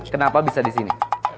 kenapa bisa disini